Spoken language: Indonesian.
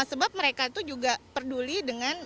sebab mereka itu juga peduli dengan